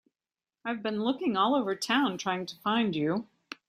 I've been looking all over town trying to find you.